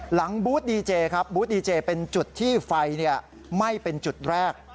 หลังบูธดีเจเป็นจุดที่ไฟไม่เป็นจุดแรก